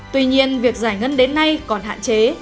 tuy nhiên việc giải ngân đến nay còn hạn chế